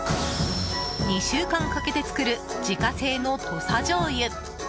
２週間かけて作る自家製の土佐じょうゆ。